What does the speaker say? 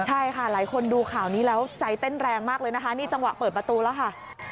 ใช่ค่ะหลายคนดูข่าวนี้แล้วใจเต้นแรงมากเลยนะคะนี่จังหวะเปิดประตูแล้วค่ะ